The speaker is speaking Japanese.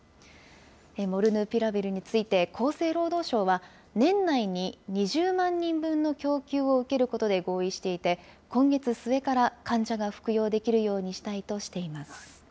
モルヌピラビルについて厚生労働省は、年内に２０万人分の供給を受けることで合意していて、今月末から患者が服用できるようにしたいとしています。